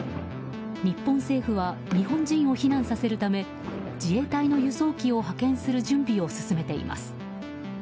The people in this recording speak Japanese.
日本政府は日本人を避難させるため自衛隊の輸送機を派遣する準備を進めています。